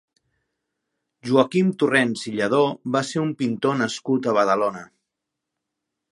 Joaquim Torrents i Lladó va ser un pintor nascut a Badalona.